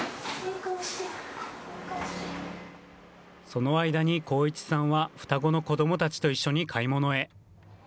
その間に幸一さんは双子の子どもたちと一緒に買い物へ。